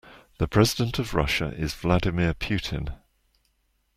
The president of Russia is Vladimir Putin.